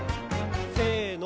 せの。